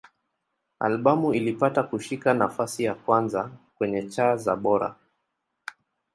Albamu ilipata kushika nafasi ya kwanza kwenye cha za Bora.